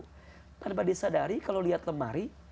padahal pada saat sadari kalau lihat lemari